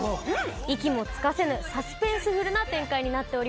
息もつかせぬサスペンスフルな展開になっております。